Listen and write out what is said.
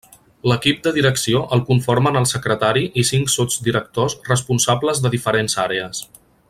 L'equip de direcció el conformen el secretari i cinc sotsdirectors responsables de diferents àrees.